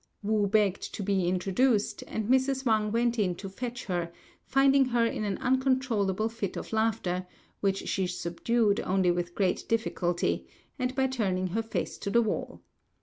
Wu begged to be introduced, and Mrs. Wang went in to fetch her, finding her in an uncontrollable fit of laughter, which she subdued only with great difficulty, and by turning her face to the wall.